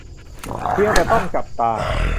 เพียงแต่ต้องจับตา